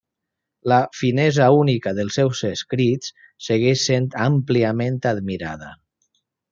La finesa única dels seus escrits segueix sent àmpliament admirada.